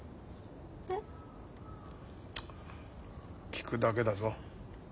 聞くだけだぞ。